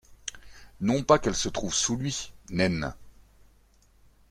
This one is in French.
Non pas qu’elle se trouve sous lui, naine!